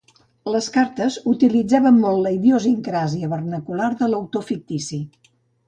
Les cartes utilitzaven molt la idiosincràsia vernacular de l'autor fictici.